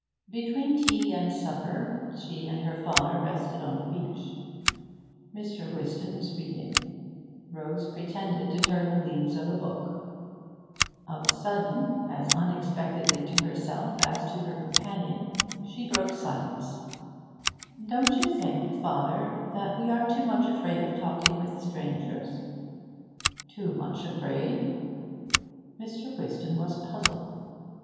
Between tea and supper she and her father rested on the beach. Mr. Whiston was reading. Rose pretended to turn the leaves of a book. Of a sudden, as unexpectedly to herself as to her companion, she broke silence. 'Don't you think, father, that we are too much afraid of talking with strangers?' 'Too much afraid?' Mr. Whiston was puzzled.